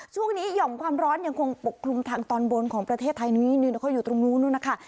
ช่วงนี้หย่อมความร้อนยังคงปกลุ่มทางตอนบนของประเทศไทยนึงนึงแล้วเขาอยู่ตรงนู้นด้วยนะคะ